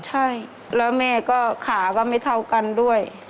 ใช่แล้วแม่ก็ขาก็ไม่เท่ากันด้วย